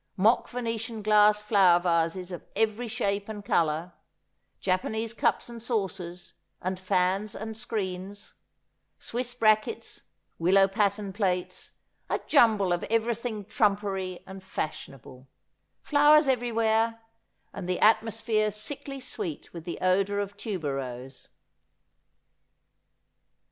Mock Venetian glass flower vases of every shape and colour ; Japanese cups and saucers, and fans and screens ; Swiss brackets ; willow pattern plates ; a jumble of everything trumpery and fashionable ; flowers everywhere, and the atmosphere sickly sweet with the odour of tuberose.